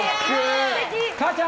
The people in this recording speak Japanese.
母ちゃん！